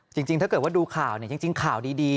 จริงถ้าเกิดว่าดูข่าวเนี่ยจริงข่าวดี